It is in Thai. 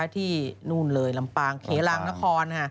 ที่นู่นเลยลำปางเขลางนคร